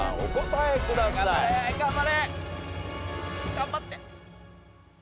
頑張って。